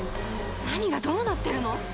何がどうなってるの？